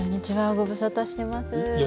ご無沙汰してます。